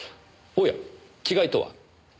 おや違いとは？